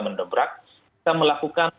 mendebrak bisa melakukan